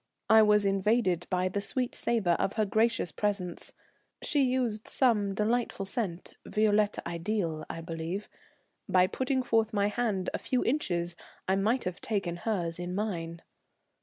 I was invaded by the sweet savour of her gracious presence (she used some delightful scent, violette ideale, I believe), by putting forth my hand a few inches I might have taken hers in mine.